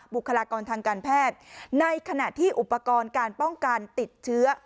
บุคลากรทางการแพทย์ในขณะที่อุปกรณ์การป้องกันติดเชื้อ